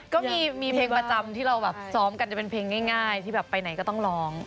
ก็มีเพลงประจำที่เราแบบซ้อมกันจะเป็นเพลงง่ายที่แบบไปไหนก็ต้องร้อง